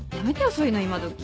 そういうの今どき。